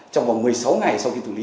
trong vòng một mươi sáu ngày sau khi xử lý